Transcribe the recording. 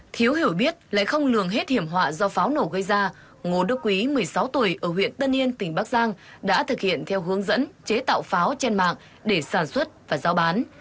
thiếu hiểu biết lại không lường hết hiểm họa do pháo nổ gây ra ngô đức quý một mươi sáu tuổi ở huyện tân yên tỉnh bắc giang đã thực hiện theo hướng dẫn chế tạo pháo trên mạng để sản xuất và giao bán